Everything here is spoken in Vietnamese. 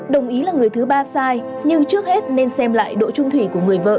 đồng ý là người thứ ba sai nhưng trước hết nên xem lại đỗ trung thủy của người vợ